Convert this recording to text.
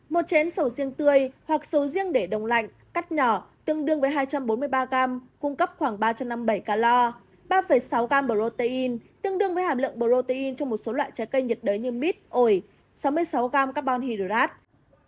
một chén sầu riêng tươi hoặc sầu riêng để đồng lạnh cắt nhỏ tương đương với hai trăm bốn mươi ba g cung cấp khoảng ba trăm năm mươi bảy calo ba sáu g protein tương đương với hàm lượng protein trong một số loại trái cây nhiệt đới như mít ổi sáu mươi sáu g carbon hydrate